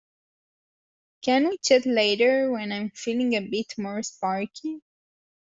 Can we chat later when I'm feeling a bit more sparky?